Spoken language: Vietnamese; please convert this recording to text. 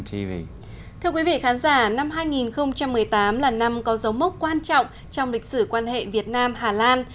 thưa quý vị khán giả năm hai nghìn một mươi tám là năm có dấu mốc quan trọng trong lịch sử quan hệ việt nam hà lan